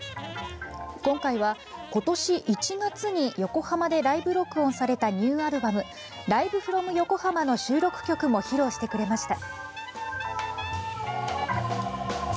今回は、今年１月に横浜でライブ録音されたニューアルバム「ＬｉｖｅＦｒｏｍＹｏｋｏｈａｍａ」の収録曲も披露してくれました。